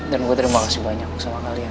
dan gue terima kasih banyak ksalah kalian